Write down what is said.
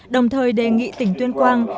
đồng thời đề nghị tỉnh tuyên quang